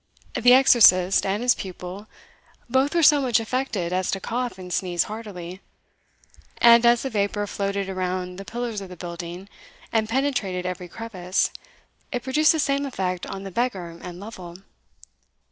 The exorcist and his pupil both were so much affected as to cough and sneeze heartily; and, as the vapour floated around the pillars of the building, and penetrated every crevice, it produced the same effect on the beggar and Lovel.